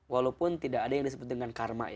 walaupun tidak ada yang disebut dengan karma